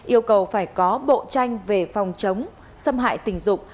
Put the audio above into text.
yêu cầu phải có bộ tranh về phòng chống xâm hại tình dục